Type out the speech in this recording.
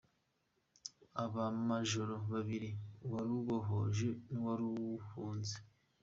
“Abamajoro babiri, uwarubohoje n’uwaruhunze